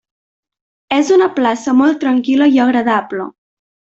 És una plaça molt tranquil·la i agradable.